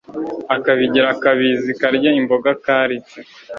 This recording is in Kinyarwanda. akabigira kabizi karya imboga karitse